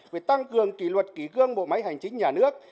về tăng cường kỷ luật kỷ cương bộ máy hành chính nhà nước